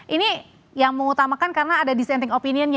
ini yang mengutamakan karena ada dissenting opinionnya